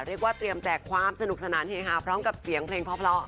เรียกว่าเตรียมแจกความสนุกสนานเฮฮาพร้อมกับเสียงเพลงเพราะ